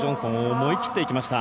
思い切って行きました。